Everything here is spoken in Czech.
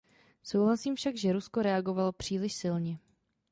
Souhlasím však, že Rusko reagovalo příliš silně.